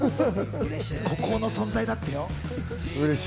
孤高の存在だってよ。